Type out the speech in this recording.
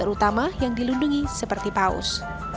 terutama yang dilindungi seperti paus